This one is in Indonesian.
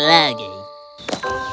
setelah mengatakan itu dia pergi